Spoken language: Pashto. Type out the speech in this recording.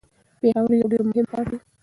پېښور یو ډیر مهم ښار دی.